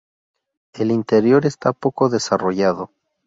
El interior está poco desarrollado.